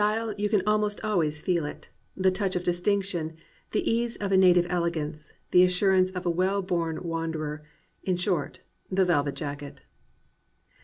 AN ADVENTURER you can almost always feel it, — the touch of dis tinction, the ease of a native elegance, the assur ance of a well born wanderer, — in short, the velvet jacket.